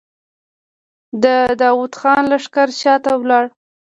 د داوود خان لښکر شاته لاړ.